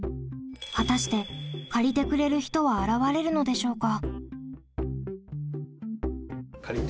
果たして借りてくれる人は現れるのでしょうか？